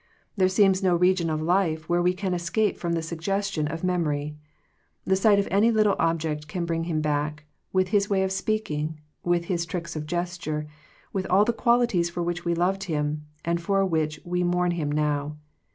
There seems no region of life where we can escape from the suggestions of mem ory. The sight of any little object can bring him back, with his way of speak ing, with his tricks of gesture, with all the qualities for which we loved him, and for which we mourn him now.